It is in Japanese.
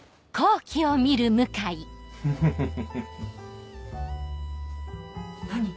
フフフ。何？